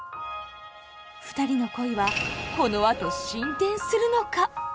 ふたりの恋はこのあと進展するのか。